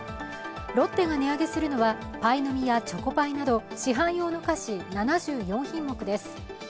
ロッテが値上げするのは、パイの実やチョコパイなど市販用の菓子、７４品目です。